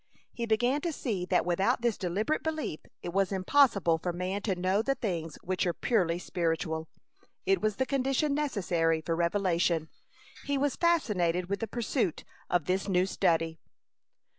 He began to see that without this deliberate belief it was impossible for man to know the things which are purely spiritual. It was the condition necessary for revelation. He was fascinated with the pursuit of this new study.